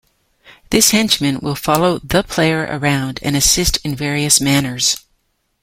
This henchman will follow the player around and assist in various manners.